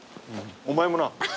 お前もな。